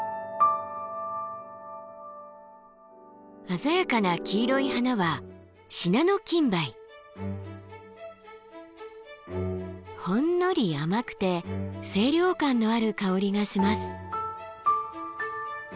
鮮やかな黄色い花はほんのり甘くて清涼感のある香りがします。